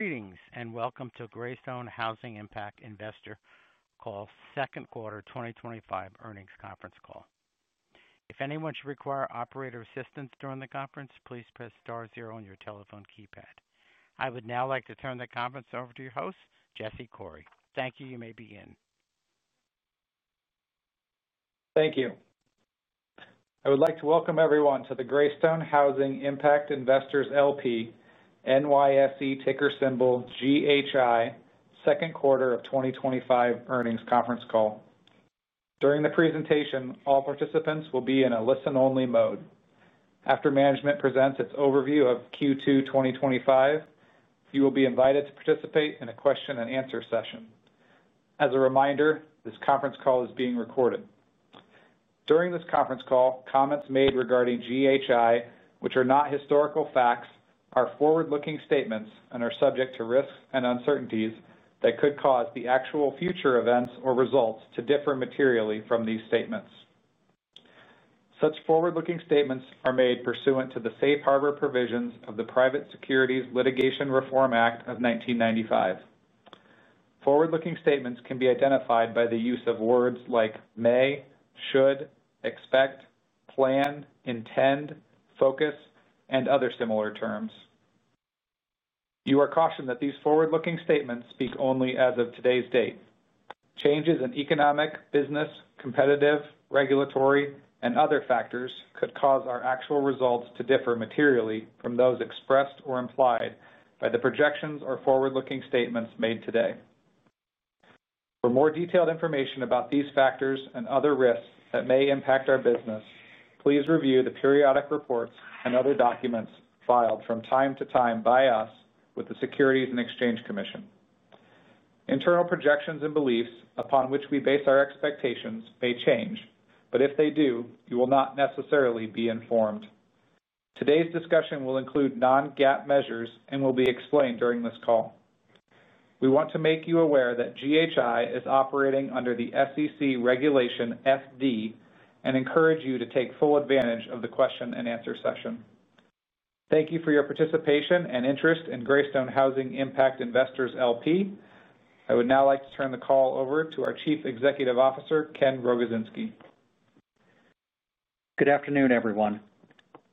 Greetings and welcome to Greystone Housing Impact Investors call, Second Quarter 2025 Earnings Conference Call. If anyone should require operator assistance during the conference, please press star zero on your telephone keypad. I would now like to turn the conference over to your host, Jesse Coury. Thank you. You may begin. Thank you. I would like to welcome everyone to the Greystone Housing Impact Investors LP, NYSE ticker symbol GHI, Second Quarter of 2025 Earnings Conference Call. During the presentation, all participants will be in a listen-only mode. After management presents its overview of Q2 2025, you will be invited to participate in a question and answer session. As a reminder, this conference call is being recorded. During this conference call, comments made regarding GHI, which are not historical facts, are forward-looking statements and are subject to risk and uncertainties that could cause the actual future events or results to differ materially from these statements. Such forward-looking statements are made pursuant to the safe harbor provisions of the Private Securities Litigation Reform Act of 1995. Forward-looking statements can be identified by the use of words like may, should, expect, plan, intend, focus, and other similar terms. You are cautioned that these forward-looking statements speak only as of today's date. Changes in economic, business, competitive, regulatory, and other factors could cause our actual results to differ materially from those expressed or implied by the projections or forward-looking statements made today. For more detailed information about these factors and other risks that may impact our business, please review the periodic reports and other documents filed from time to time by us with the Securities and Exchange Commission. Internal projections and beliefs upon which we base our expectations may change, but if they do, you will not necessarily be informed. Today's discussion will include non-GAAP measures and will be explained during this call. We want to make you aware that GHI is operating under the SEC Regulation FD and encourage you to take full advantage of the question and answer session. Thank you for your participation and interest in Greystone Housing Impact Investors LP. I would now like to turn the call over to our Chief Executive Officer, Ken Rogozinski. Good afternoon, everyone.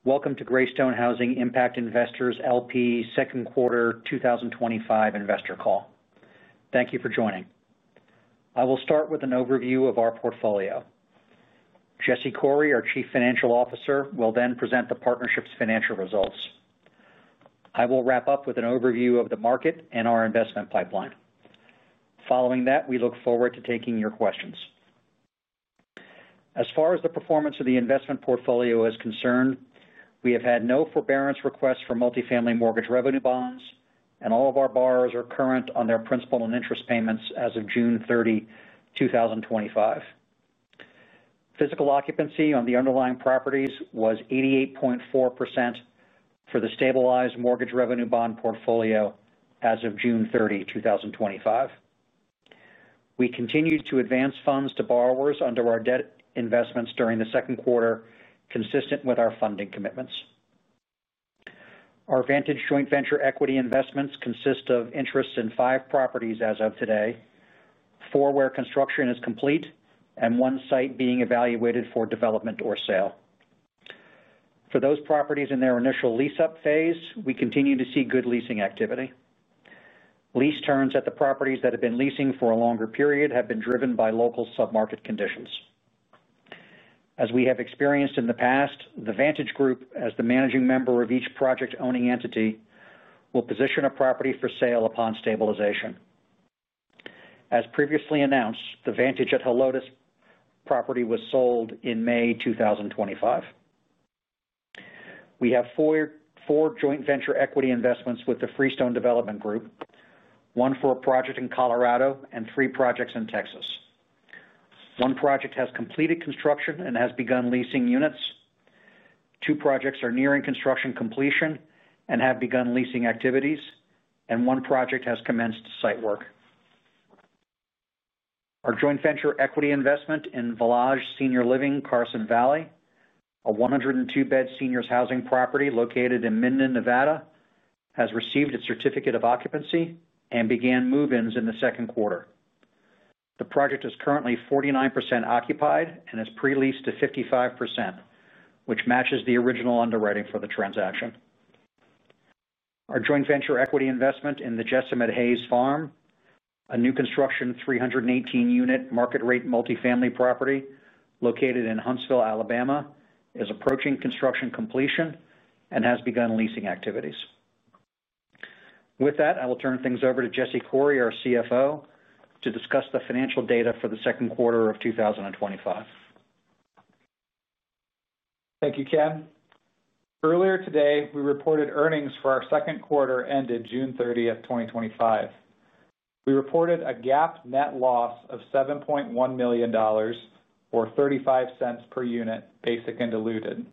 Welcome to Greystone Housing Impact Investors LP Second Quarter 2025 Investor Call. Thank you for joining. I will start with an overview of our portfolio. Jesse Coury, our Chief Financial Officer, will then present the partnership's financial results. I will wrap up with an overview of the market and our investment pipeline. Following that, we look forward to taking your questions. As far as the performance of the investment portfolio is concerned, we have had no forbearance requests for multifamily mortgage revenue bonds, and all of our borrowers are current on their principal and interest payments as of June 30, 2025. Physical occupancy on the underlying properties was 88.4% for the stabilized mortgage revenue bond portfolio as of June 30, 2025. We continued to advance funds to borrowers under our debt investments during the second quarter, consistent with our funding commitments. Our Vantage joint venture equity investments consist of interest in five properties as of today, four where construction is complete and one site being evaluated for development or sale. For those properties in their initial lease-up phase, we continue to see good leasing activity. Lease terms at the properties that have been leasing for a longer period have been driven by local submarket conditions. As we have experienced in the past, the Vantage Group, as the managing member of each project owning entity, will position a property for sale upon stabilization. As previously announced, the Vantage at Helotes property was sold in May 2025. We have four joint venture equity investments with the Freestone Development Group, one for a project in Colorado and three projects in Texas. One project has completed construction and has begun leasing units. Two projects are nearing construction completion and have begun leasing activities, and one project has commenced site work. Our joint venture equity investment in Valage Senior Living Carson Valley, a 102-bed seniors housing property located in Minden, Nevada, has received its certificate of occupancy and began move-ins in the second quarter. The project is currently 49% occupied and is pre-leased to 55%, which matches the original underwriting for the transaction. Our joint venture equity investment in The Jessam at Hays Farm, a new construction 318-unit market-rate multifamily property located in Huntsville, Alabama, is approaching construction completion and has begun leasing activities. With that, I will turn things over to Jesse Coury, our Chief Financial Officer, to discuss the financial data for the second quarter of 2025. Thank you, Ken. Earlier today, we reported earnings for our second quarter ended June 30, 2025. We reported a GAAP net loss of $7.1 million or $0.35/unit, basic and diluted.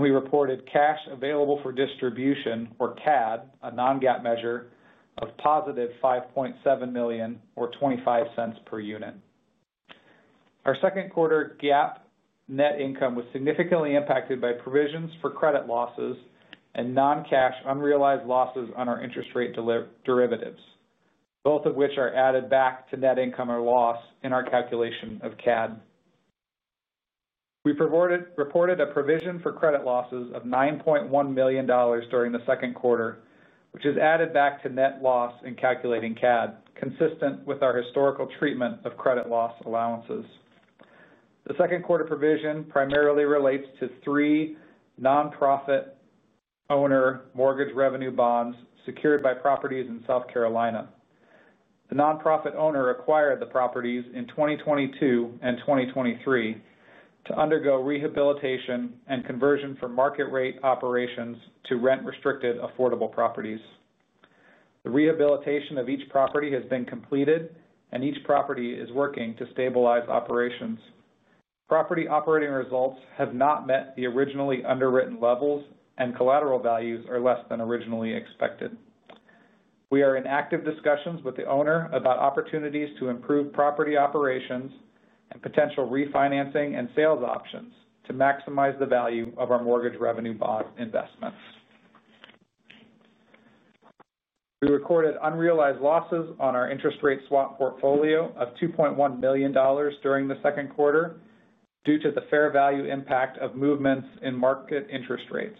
We reported cash available for distribution, or CAD, a non-GAAP measure of positive $5.7 million or $0.25/unit. Our second quarter GAAP net income was significantly impacted by provisions for credit losses and non-cash unrealized losses on our interest rate derivatives, both of which are added back to net income or loss in our calculation of CAD. We reported a provision for credit losses of $9.1 million during the second quarter, which is added back to net loss in calculating CAD, consistent with our historical treatment of credit loss allowances. The second quarter provision primarily relates to three nonprofit owner mortgage revenue bonds secured by properties in South Carolina. The nonprofit owner acquired the properties in 2022 and 2023 to undergo rehabilitation and conversion from market-rate operations to rent-restricted affordable properties. The rehabilitation of each property has been completed, and each property is working to stabilize operations. Property operating results have not met the originally underwritten levels, and collateral values are less than originally expected. We are in active discussions with the owner about opportunities to improve property operations and potential refinancing and sales options to maximize the value of our mortgage revenue bond investments. We recorded unrealized losses on our interest rate swap portfolio of $2.1 million during the second quarter due to the fair value impact of movements in market interest rates.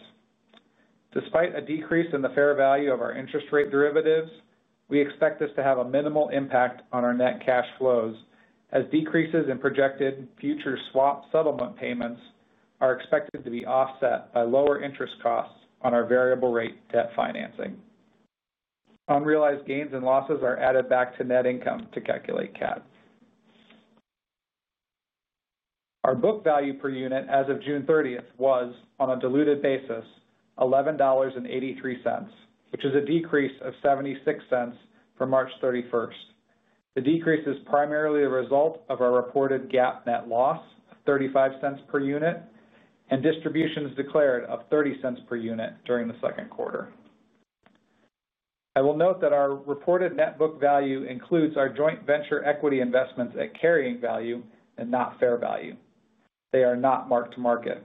Despite a decrease in the fair value of our interest rate derivatives, we expect this to have a minimal impact on our net cash flows as decreases in projected future swap settlement payments are expected to be offset by lower interest costs on our variable rate debt financing. Unrealized gains and losses are added back to net income to calculate CAD. Our book value per unit as of June 30 was, on a diluted basis, $11.83, which is a decrease of $0.76 from March 31. The decrease is primarily the result of our reported GAAP net loss of $0.35/unit and distributions declared of $0.30/unit during the second quarter. I will note that our reported net book value includes our joint venture equity investments at carrying value and not fair value. They are not marked to market.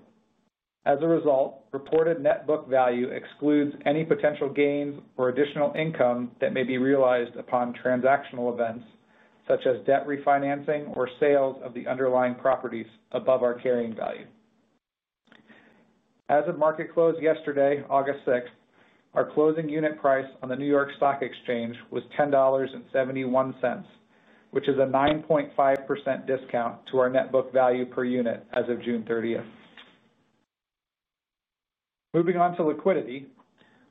As a result, reported net book value excludes any potential gains or additional income that may be realized upon transactional events such as debt refinancing or sales of the underlying properties above our carrying value. As of market close yesterday, August 6, our closing unit price on the New York Stock Exchange was $10.71, which is a 9.5% discount to our net book value per unit as of June 30. Moving on to liquidity,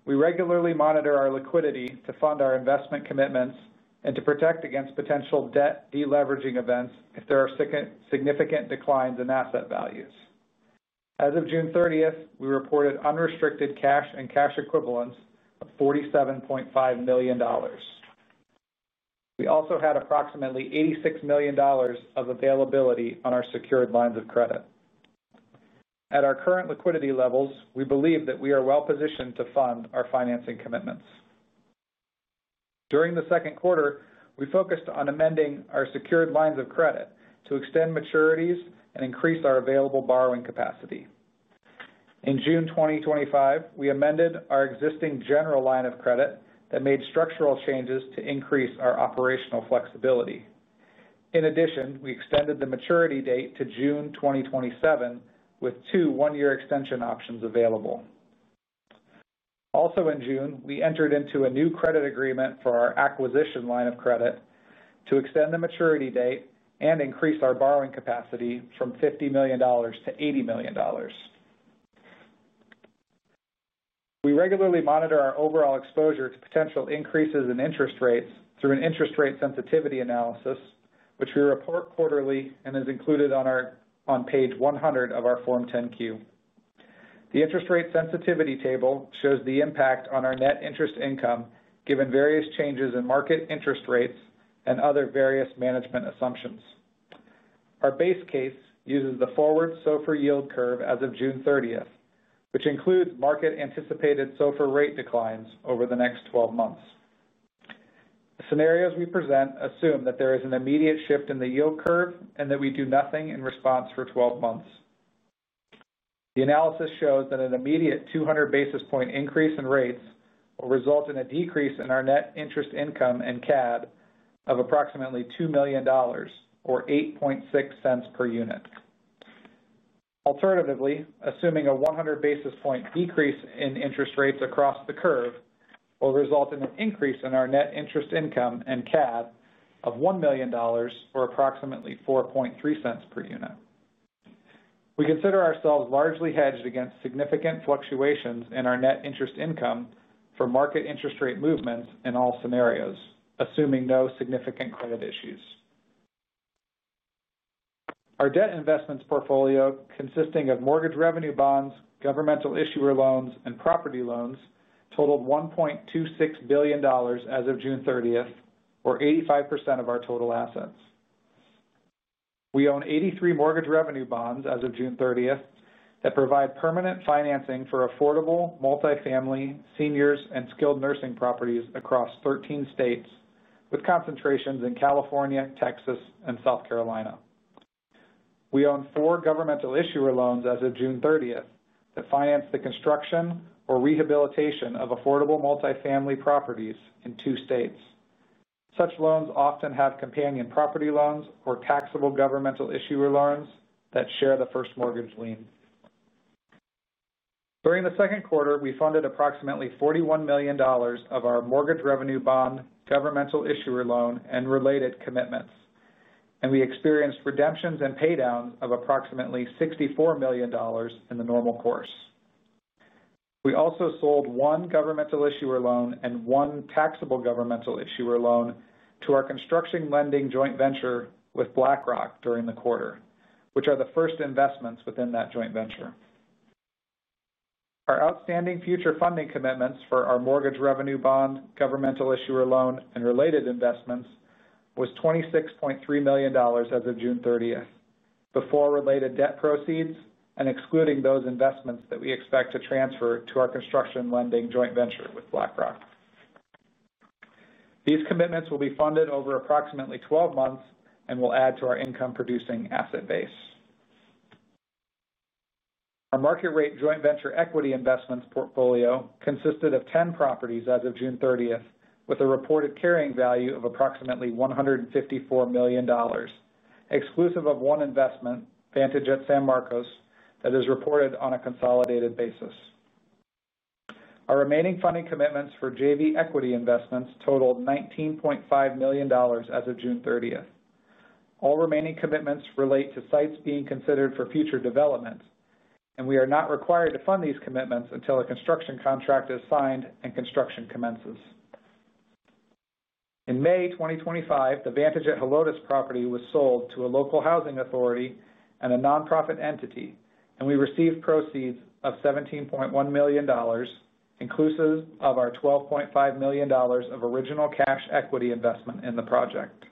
we regularly monitor our liquidity to fund our investment commitments and to protect against potential debt deleveraging events if there are significant declines in asset values. As of June 30, we reported unrestricted cash and cash equivalents of $47.5 million. We also had approximately $86 million of availability on our secured lines of credit. At our current liquidity levels, we believe that we are well positioned to fund our financing commitments. During the second quarter, we focused on amending our secured lines of credit to extend maturities and increase our available borrowing capacity. In June 2025, we amended our existing general line of credit that made structural changes to increase our operational flexibility. In addition, we extended the maturity date to June 2027 with two one-year extension options available. Also in June, we entered into a new credit agreement for our acquisition line of credit to extend the maturity date and increase our borrowing capacity from $50 million-$80 million. We regularly monitor our overall exposure to potential increases in interest rates through an interest rate sensitivity analysis, which we report quarterly and is included on our page 100 of our Form 10-Q. The interest rate sensitivity table shows the impact on our net interest income given various changes in market interest rates and other various management assumptions. Our base case uses the forward SOFR yield curve as of June 30, which includes market anticipated SOFR rate declines over the next 12 months. The scenarios we present assume that there is an immediate shift in the yield curve and that we do nothing in response for 12 months. The analysis shows that an immediate 200 basis point increase in rates will result in a decrease in our net interest income and CAD of approximately $2 million or $0.086/unit. Alternatively, assuming a 100 basis point decrease in interest rates across the curve will result in an increase in our net interest income and CAD of $1 million or approximately $0.043/unit. We consider ourselves largely hedged against significant fluctuations in our net interest income for market interest rate movements in all scenarios, assuming no significant credit issues. Our debt investments portfolio, consisting of mortgage revenue bonds, governmental issuer loans, and property loans, totaled $1.26 billion as of June 30, or 85% of our total assets. We own 83 mortgage revenue bonds as of June 30 that provide permanent financing for affordable multifamily, seniors, and skilled nursing properties across 13 states, with concentrations in California, Texas, and South Carolina. We own four governmental issuer loans as of June 30 that finance the construction or rehabilitation of affordable multifamily properties in two states. Such loans often have companion property loans or taxable governmental issuer loans that share the first mortgage lien. During the second quarter, we funded approximately $41 million of our mortgage revenue bond, governmental issuer loan, and related commitments, and we experienced redemptions and paydowns of approximately $64 million in the normal course. We also sold one governmental issuer loan and one taxable governmental issuer loan to our construction lending joint venture with BlackRock during the quarter, which are the first investments within that joint venture. Our outstanding future funding commitments for our mortgage revenue bond, governmental issuer loan, and related investments were $26.3 million as of June 30, before related debt proceeds and excluding those investments that we expect to transfer to our construction lending joint venture with BlackRock. These commitments will be funded over approximately 12 months and will add to our income-producing asset base. Our market-rate joint venture equity investments portfolio consisted of 10 properties as of June 30, with a reported carrying value of approximately $154 million, exclusive of one investment, Vantage at San Marcos, that is reported on a consolidated basis. Our remaining funding commitments for joint venture equity investments totaled $19.5 million as of June 30. All remaining commitments relate to sites being considered for future development, and we are not required to fund these commitments until a construction contract is signed and construction commences. In May 2025, the Vantage at Helotes property was sold to a local housing authority and a nonprofit entity, and we received proceeds of $17.1 million, inclusive of our $12.5 million of original cash equity investment in the project.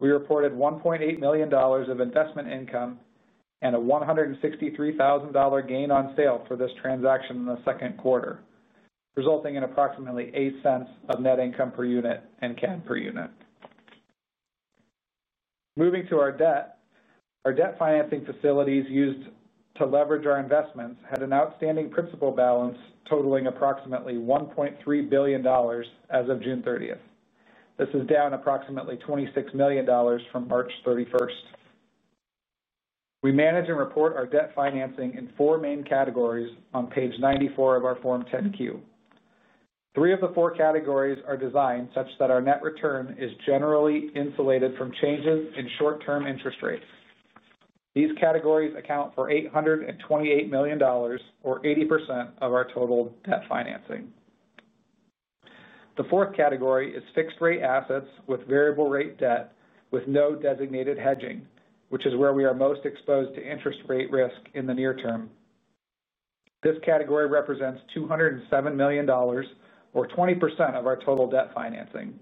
We reported $1.8 million of investment income and a $163,000 gain on sale for this transaction in the second quarter, resulting in approximately $0.08 of net income per unit and CAD per unit. Moving to our debt, our debt financing facilities used to leverage our investments had an outstanding principal balance totaling approximately $1.3 billion as of June 30. This is down approximately $26 million from March 31. We manage and report our debt financing in four main categories on page 94 of our Form 10-Q. Three of the four categories are designed such that our net return is generally insulated from changes in short-term interest rates. These categories account for $828 million, or 80% of our total debt financing. The fourth category is fixed-rate assets with variable-rate debt with no designated hedging, which is where we are most exposed to interest rate risk in the near term. This category represents $207 million, or 20% of our total debt financing.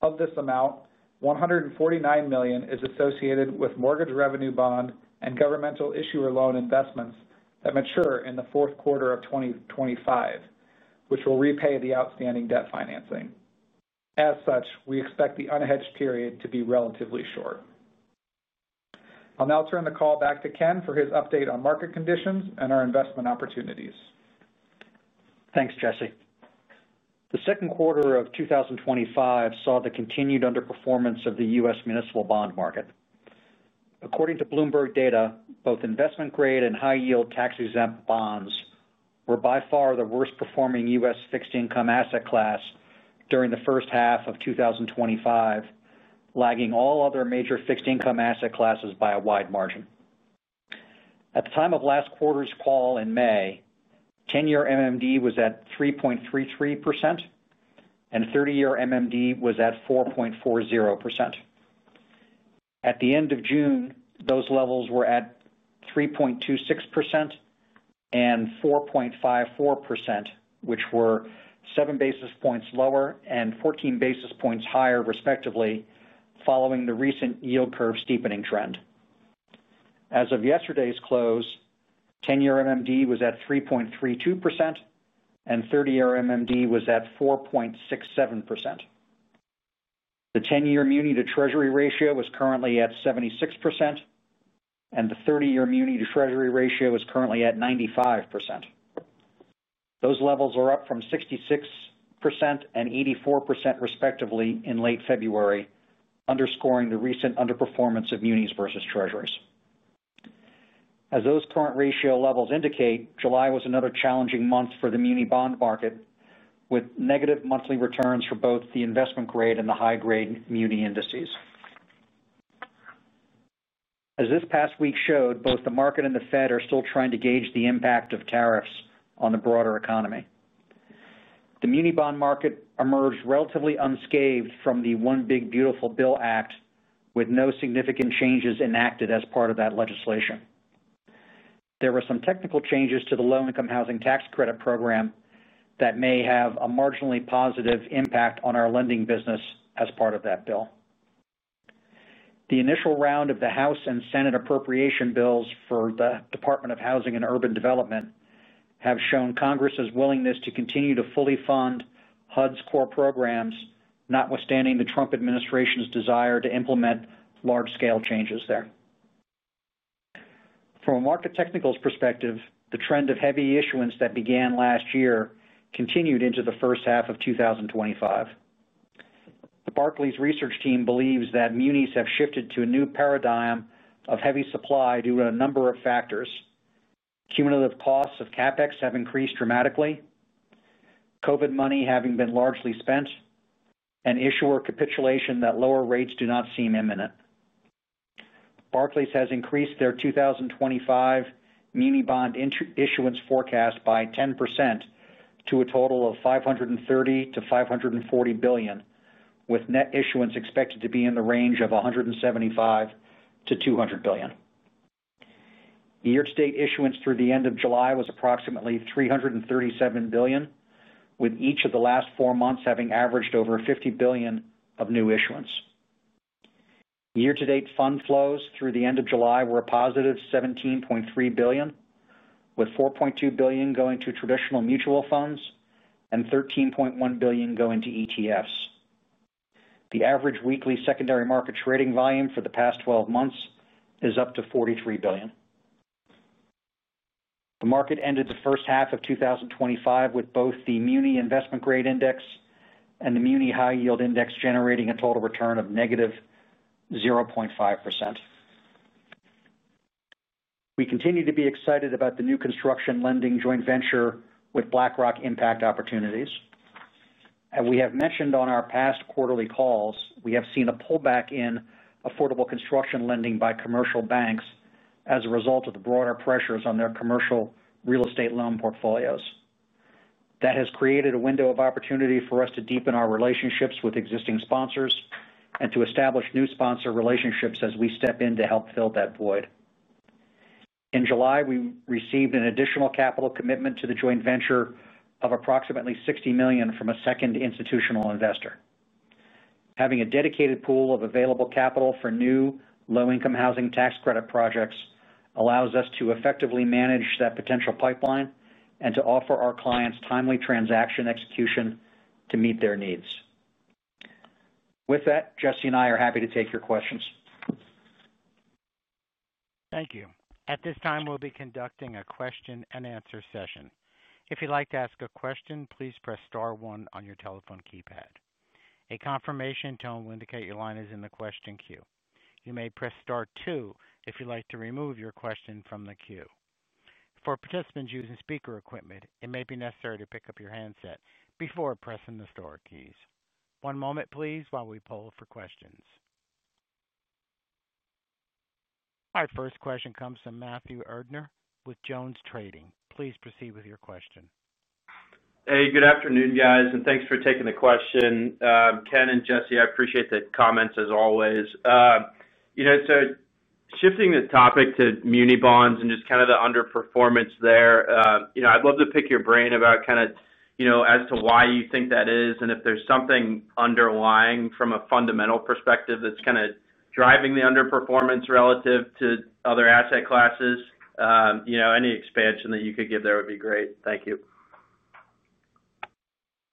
Of this amount, $149 million is associated with mortgage revenue bond and governmental issuer loan investments that mature in the fourth quarter of 2025, which will repay the outstanding debt financing. As such, we expect the unhedged period to be relatively short. I'll now turn the call back to Ken for his update on market conditions and our investment opportunities. Thanks, Jesse. The second quarter of 2025 saw the continued underperformance of the U.S. municipal bond market. According to Bloomberg data, both investment-grade and high-yield tax-exempt bonds were by far the worst-performing U.S. fixed-income asset class during the first half of 2025, lagging all other major fixed-income asset classes by a wide margin. At the time of last quarter's call in May, 10-year MMD was at 3.33% and 30-year MMD was at 4.40%. At the end of June, those levels were at 3.26% and 4.54%, which were 7 basis points lower and 14 basis points higher, respectively, following the recent yield curve steepening trend. As of yesterday's close, 10-year MMD was at 3.32% and 30-year MMD was at 4.67%. The 10-year muni-to-treasury ratio was currently at 76% and the 30-year muni-to-treasury ratio was currently at 95%. Those levels are up from 66% and 84%, respectively, in late February, underscoring the recent underperformance of munis versus treasuries. As those current ratio levels indicate, July was another challenging month for the muni bond market, with negative monthly returns for both the investment-grade and the high-grade muni indices. As this past week showed, both the market and the Fed are still trying to gauge the impact of tariffs on the broader economy. The muni bond market emerged relatively unscathed from the One Big Beautiful Bill Act, with no significant changes enacted as part of that legislation. There were some technical changes to the low-income housing tax credit program that may have a marginally positive impact on our lending business as part of that bill. The initial round of the House and Senate appropriation bills for the Department of Housing and Urban Development have shown Congress's willingness to continue to fully fund HUD's core programs, notwithstanding the Trump administration's desire to implement large-scale changes there. From a market technicals perspective, the trend of heavy issuance that began last year continued into the first half of 2025. The Barclays research team believes that munis have shifted to a new paradigm of heavy supply due to a number of factors. Cumulative costs of CapEx have increased dramatically, COVID money having been largely spent, and issuer capitulation that lower rates do not seem imminent. Barclays has increased their 2025 muni bond issuance forecast by 10% to a total of $530 billion-$540 billion, with net issuance expected to be in the range of $175 billion-$200 billion. Year-to-date issuance through the end of July was approximately $337 billion, with each of the last four months having averaged over $50 billion of new issuance. Year-to-date fund flows through the end of July were a +$17.3 billion, with $4.2 billion going to traditional mutual funds and $13.1 billion going to ETFs. The average weekly secondary market trading volume for the past 12 months is up to $43 billion. The market ended the first half of 2025 with both the muni investment-grade index and the muni high-yield index generating a total return of -0.5%. We continue to be excited about the new construction lending joint venture with BlackRock Impact Opportunities. As we have mentioned on our past quarterly calls, we have seen a pullback in affordable construction lending by commercial banks as a result of the broader pressures on their commercial real estate loan portfolios. That has created a window of opportunity for us to deepen our relationships with existing sponsors and to establish new sponsor relationships as we step in to help fill that void. In July, we received an additional capital commitment to the joint venture of approximately $60 million from a second institutional investor. Having a dedicated pool of available capital for new low-income housing tax credit projects allows us to effectively manage that potential pipeline and to offer our clients timely transaction execution to meet their needs. With that, Jesse and I are happy to take your questions. Thank you. At this time, we'll be conducting a question and answer session. If you'd like to ask a question, please press star-one on your telephone keypad. A confirmation tone will indicate your line is in the question queue. You may press star-two if you'd like to remove your question from the queue. For participants using speaker equipment, it may be necessary to pick up your handset before pressing the star keys. One moment, please, while we poll for questions. Our first question comes from Matthew Erdner with Jones Trading. Please proceed with your question. Hey, good afternoon, guys, and thanks for taking the question. Ken and Jesse, I appreciate the comments as always. Shifting the topic to muni bonds and just kind of the underperformance there, I'd love to pick your brain about kind of, you know, as to why you think that is and if there's something underlying from a fundamental perspective that's kind of driving the underperformance relative to other asset classes. Any expansion that you could give there would be great. Thank you.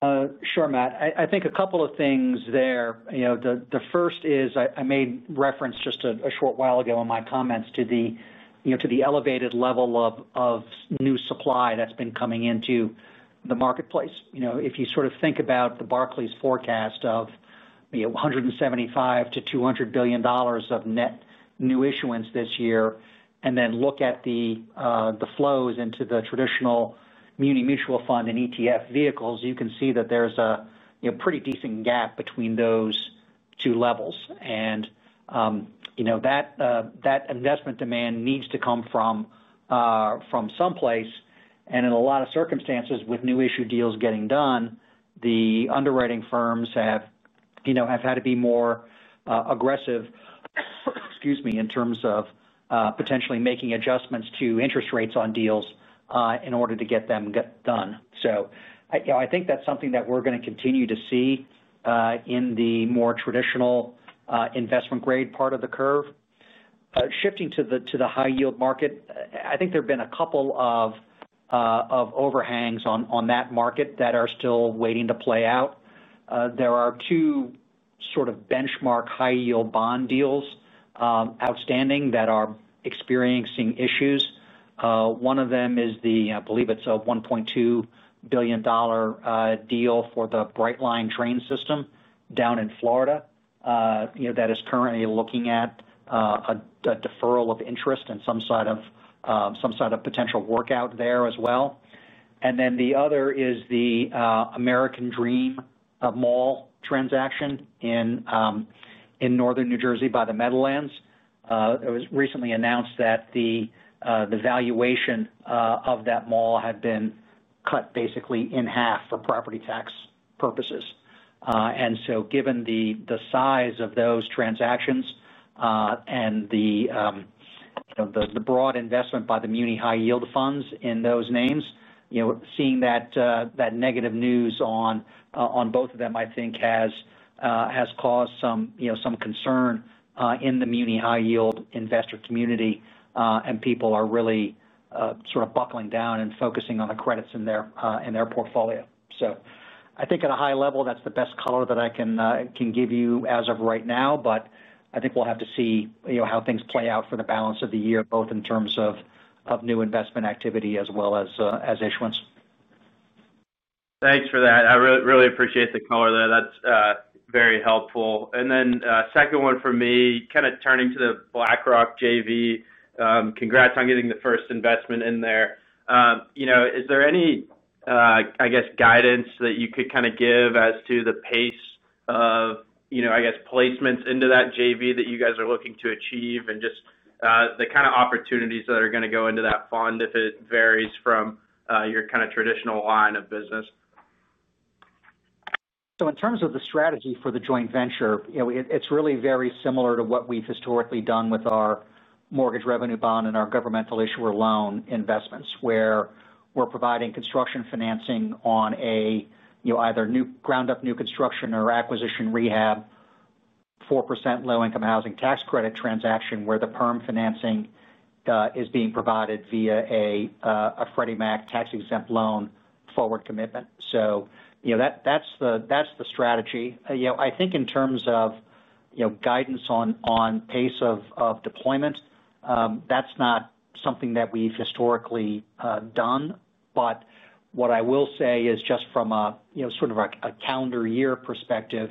Sure, Matt. I think a couple of things there. The first is I made reference just a short while ago in my comments to the elevated level of new supply that's been coming into the marketplace. If you sort of think about the Barclays forecast of $175 billion-$200 billion of net new issuance this year, and then look at the flows into the traditional muni mutual fund and ETF vehicles, you can see that there's a pretty decent gap between those two levels. That investment demand needs to come from someplace. In a lot of circumstances, with new issue deals getting done, the underwriting firms have had to be more aggressive, excuse me, in terms of potentially making adjustments to interest rates on deals in order to get them done. I think that's something that we're going to continue to see in the more traditional investment-grade part of the curve. Shifting to the high-yield market, I think there have been a couple of overhangs on that market that are still waiting to play out. There are two sort of benchmark high-yield bond deals outstanding that are experiencing issues. One of them is the, I believe it's a $1.2 billion deal for the Brightline drain system down in Florida. That is currently looking at a deferral of interest and some sort of potential workout there as well. The other is the American Dream Mall transaction in Northern New Jersey by the Meadowlands. It was recently announced that the valuation of that mall had been cut basically in half for property tax purposes. Given the size of those transactions and the broad investment by the muni high-yield funds in those names, seeing that negative news on both of them, I think, has caused some concern in the muni high-yield investor community, and people are really sort of buckling down and focusing on the credits in their portfolio. I think at a high level, that's the best color that I can give you as of right now, but I think we'll have to see how things play out for the balance of the year, both in terms of new investment activity as well as issuance. Thanks for that. I really appreciate the color there. That's very helpful. The second one for me, kind of turning to the BlackRock JV. Congrats on getting the first investment in there. Is there any guidance that you could give as to the pace of placements into that JV that you guys are looking to achieve and just the kind of opportunities that are going to go into that fund if it varies from your traditional line of business? In terms of the strategy for the joint venture, it's really very similar to what we've historically done with our mortgage revenue bond and our governmental issuer loan investments, where we're providing construction financing on either new ground-up new construction or acquisition rehab, 4% low-income housing tax credit transaction where the perm financing is being provided via a Freddie Mac tax-exempt loan forward commitment. That's the strategy. I think in terms of guidance on pace of deployment, that's not something that we've historically done. What I will say is just from a sort of a calendar year perspective,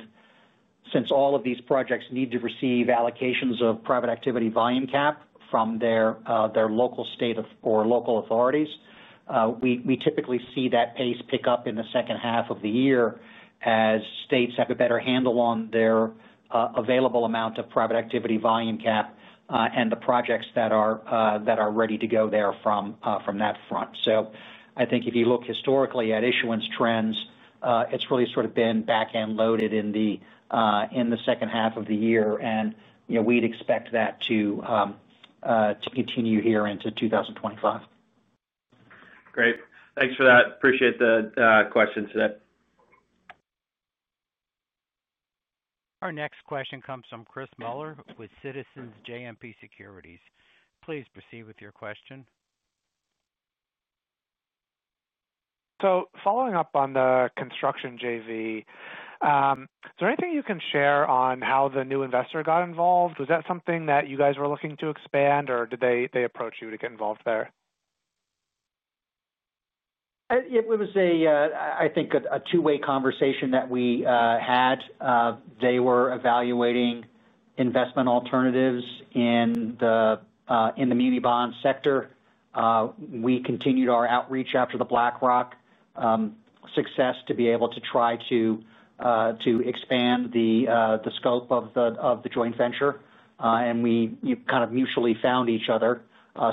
since all of these projects need to receive allocations of private activity volume cap from their state or local authorities, we typically see that pace pick up in the second half of the year as states have a better handle on their available amount of private activity volume cap and the projects that are ready to go there from that front. I think if you look historically at issuance trends, it's really sort of been back-end loaded in the second half of the year, and we'd expect that to continue here into 2025. Great. Thanks for that. Appreciate the questions today. Our next question comes from Chris Miller with Citizens JMP Securities. Please proceed with your question. Following up on the construction JV, is there anything you can share on how the new investor got involved? Was that something that you guys were looking to expand, or did they approach you to get involved there? It was a two-way conversation that we had. They were evaluating investment alternatives in the muni bond sector. We continued our outreach after the BlackRock Impact Opportunities success to be able to try to expand the scope of the joint venture. We mutually found each other,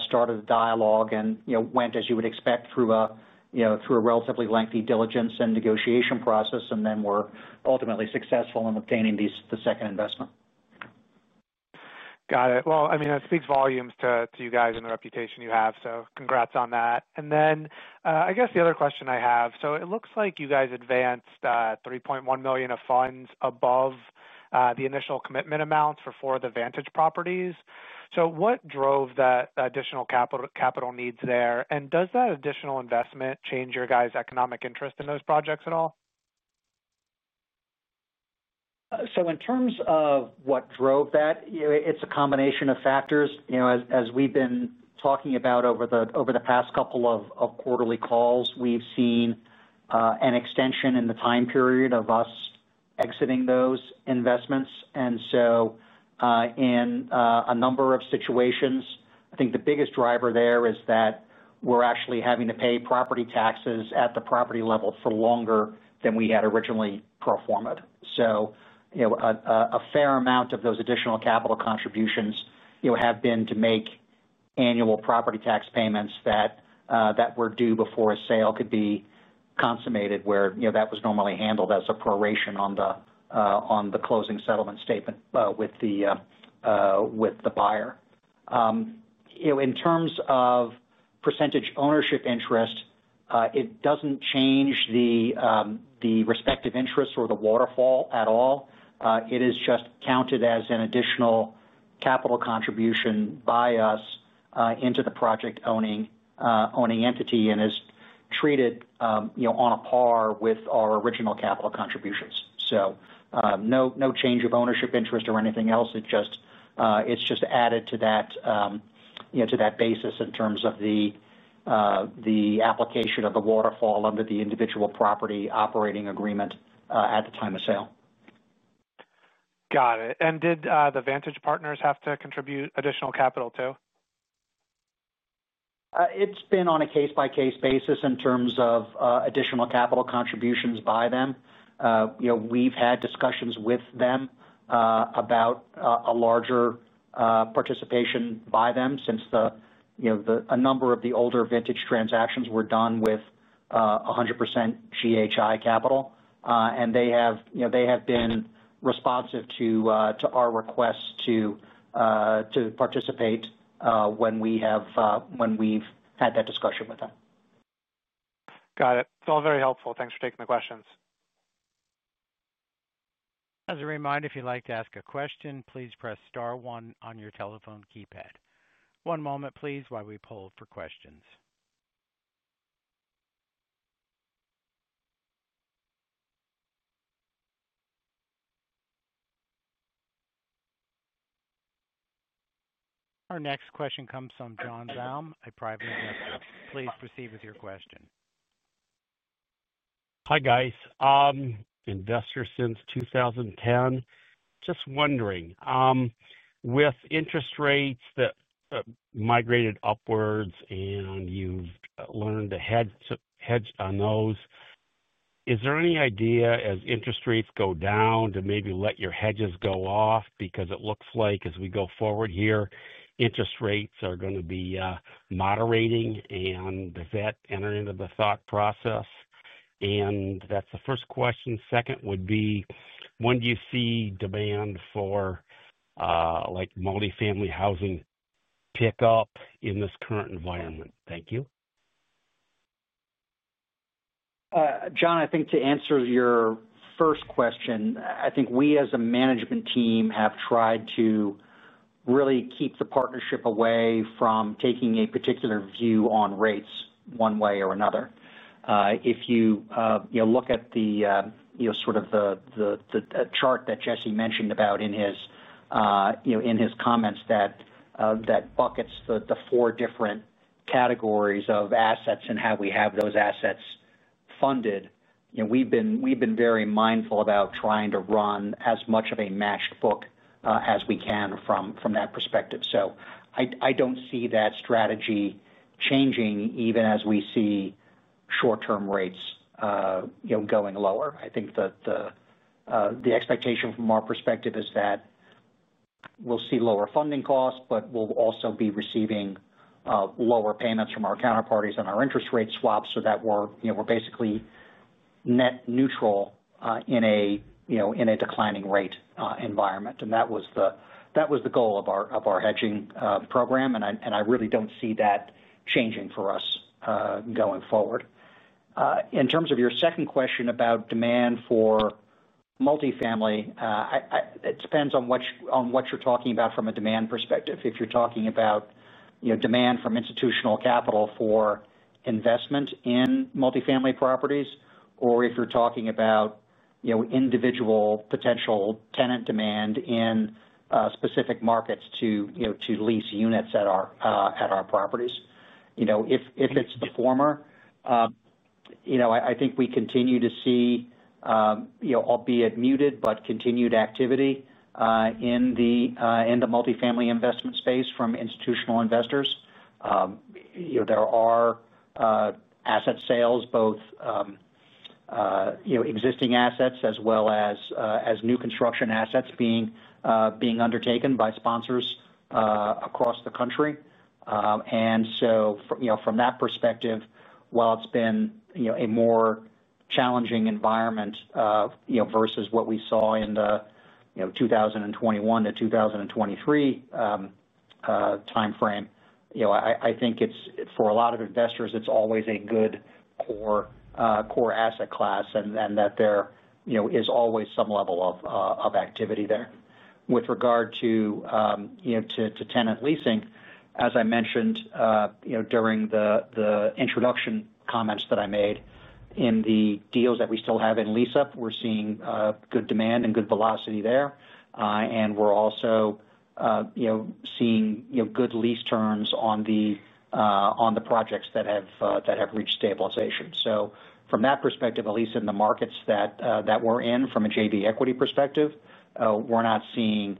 started a dialogue, and went, as you would expect, through a relatively lengthy diligence and negotiation process, and were ultimately successful in obtaining the second investment. Got it. That speaks volumes to you guys and the reputation you have. Congrats on that. I guess the other question I have, it looks like you guys advanced $3.1 million of funds above the initial commitment amounts for four of the Vantage properties. What drove that additional capital needs there? Does that additional investment change your guys' economic interest in those projects at all? In terms of what drove that, it's a combination of factors. As we've been talking about over the past couple of quarterly calls, we've seen an extension in the time period of us exiting those investments. In a number of situations, I think the biggest driver there is that we're actually having to pay property taxes at the property level for longer than we had originally proformed. A fair amount of those additional capital contributions have been to make annual property tax payments that were due before a sale could be consummated, where that was normally handled as a proration on the closing settlement statement with the buyer. In terms of percentage ownership interest, it doesn't change the respective interests or the waterfall at all. It is just counted as an additional capital contribution by us into the project owning entity and is treated on a par with our original capital contributions. No change of ownership interest or anything else. It's just added to that basis in terms of the application of the waterfall under the individual property operating agreement at the time of sale. Got it. Did the Vantage partners have to contribute additional capital too? It's been on a case-by-case basis in terms of additional capital contributions by them. We've had discussions with them about a larger participation by them since a number of the older Vantage transactions were done with 100% GHI capital. They have been responsive to our requests to participate when we've had that discussion with them. Got it. It's all very helpful. Thanks for taking the questions. As a reminder, if you'd like to ask a question, please press star one on your telephone keypad. One moment, please, while we poll for questions. Our next question comes from John Zalm, a private investor. Please proceed with your question. Hi guys. Investor since 2010. Just wondering, with interest rates that migrated upwards and you've learned to hedge on those, is there any idea as interest rates go down to maybe let your hedges go off? It looks like as we go forward here, interest rates are going to be moderating with the Fed entering into the thought process. That's the first question. Second would be, when do you see demand for like multifamily housing pick up in this current environment? Thank you. John, I think to answer your first question, we as a management team have tried to really keep the partnership away from taking a particular view on rates one way or another. If you look at the chart that Jesse mentioned in his comments that buckets the four different categories of assets and how we have those assets funded, we've been very mindful about trying to run as much of a matched book as we can from that perspective. I don't see that strategy changing even as we see short-term rates going lower. The expectation from our perspective is that we'll see lower funding costs, but we'll also be receiving lower payments from our counterparties on our interest rate swaps so that we're basically net neutral in a declining rate environment. That was the goal of our hedging program, and I really don't see that changing for us going forward. In terms of your second question about demand for multifamily, it depends on what you're talking about from a demand perspective. If you're talking about demand from institutional capital for investment in multifamily properties, or if you're talking about individual potential tenant demand in specific markets to lease units at our properties. If it's the former, I think we continue to see, albeit muted, but continued activity in the multifamily investment space from institutional investors. There are asset sales, both existing assets as well as new construction assets being undertaken by sponsors across the country. From that perspective, while it's been a more challenging environment versus what we saw in the 2021-2023 timeframe, I think for a lot of investors, it's always a good core asset class and that there is always some level of activity there. With regard to tenant leasing, as I mentioned during the introduction comments that I made, in the deals that we still have in lease-up, we're seeing good demand and good velocity there. We're also seeing good lease terms on the projects that have reached stabilization. From that perspective, at least in the markets that we're in from a JV equity perspective, we're not seeing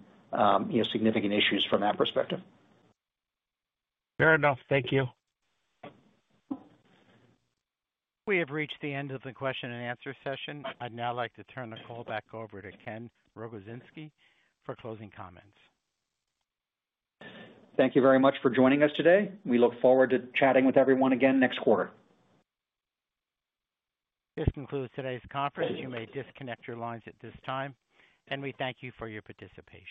significant issues from that perspective. Fair enough. Thank you. We have reached the end of the question and answer session. I'd now like to turn the call back over to Ken Rogozinski for closing comments. Thank you very much for joining us today. We look forward to chatting with everyone again next quarter. This concludes today's conference. You may disconnect your lines at this time, and we thank you for your participation.